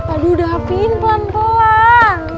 aduh udah hapin pelan pelan